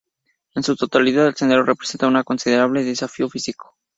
En su totalidad, el sendero representa un considerable desafío físico.